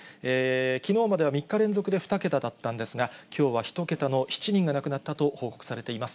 きのうまでは３日連続で２桁だったんですが、きょうは１桁の７人が亡くなったと報告されています。